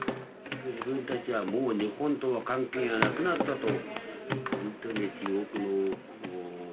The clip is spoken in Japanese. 自分たちはもう日本とは関係がなくなったと。